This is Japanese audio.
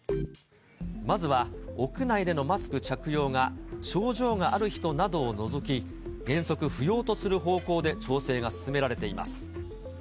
まずは、屋内でのマスク着用が、症状がある人などを除き、原則不要とする方向で調整が進められています。